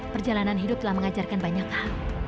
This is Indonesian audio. perjalanan hidup telah mengajarkan banyak hal